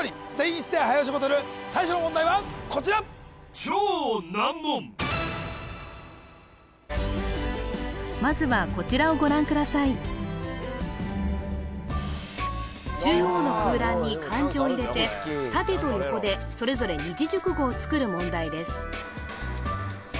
一斉早押しバトル最初の問題はこちらまずは中央の空欄に漢字を入れて縦と横でそれぞれ二字熟語を作る問題です